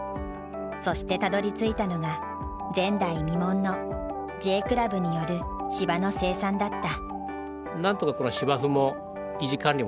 そしてたどりついたのが前代未聞のＪクラブによる芝の生産だった。